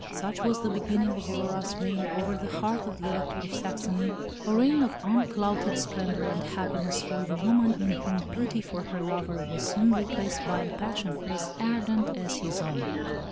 Such was the beginning of Aurora's reign over the heart of the Elector of Saxony a reign of unclouded splendour and happiness for the woman in whom pity for her lover was soon replaced by a passion as ardent as his own.